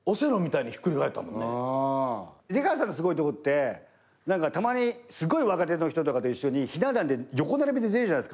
出川さんのすごいとこってたまにすごい若手の人と一緒にひな壇で横並びで出るじゃないですか。